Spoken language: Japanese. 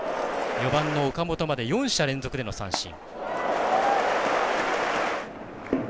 ４番の岡本まで４者連続三振。